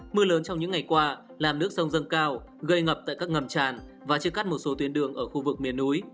mưa lớn trong những ngày qua làm nước sông dâng cao gây ngập tại các ngầm tràn và chia cắt một số tuyến đường ở khu vực miền núi